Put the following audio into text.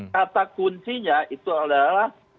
kata kuncinya itu adalah